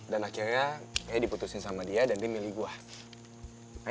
dan akhirnya kayaknya diputusin sama dia dan dia milih gue